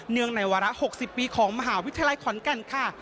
งในวาระ๖๐ปีของมหาวิทยาลัยขอนแก่นค่ะ